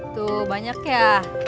tuh banyak ya